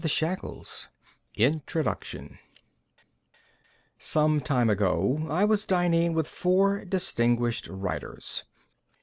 Sheehan_ INTRODUCTION Some time ago I was dining with four distinguished writers.